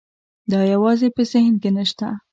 دا یوازې په ذهن کې نه شته.